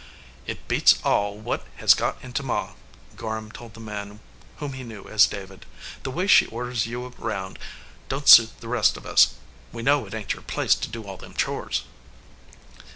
"It beats all what has got into Ma," Gorham told the man whom he knew as David. "The way she orders you around don t suit the rest of us. We know it ain t your place to do all them chores."